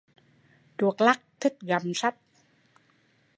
Chuột lắt thích gặm sách